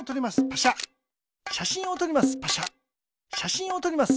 しゃしんをとります。